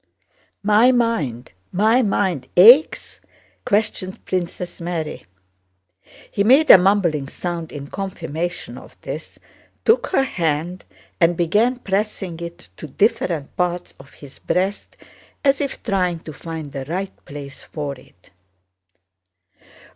"My mind, my mind aches?" questioned Princess Mary. He made a mumbling sound in confirmation of this, took her hand, and began pressing it to different parts of his breast as if trying to find the right place for it.